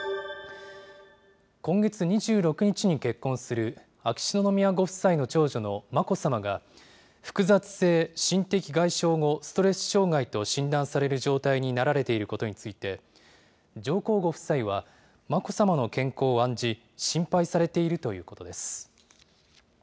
今月２６日に結婚する秋篠宮ご夫妻の長女の眞子さまが、複雑性心的外傷後ストレス障害と診断される状態となられていることについて、上皇ご夫妻は、眞子さまの健康を案じ、心配されているということです。